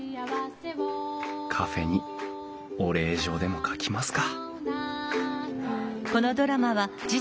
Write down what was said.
カフェにお礼状でも書きますか！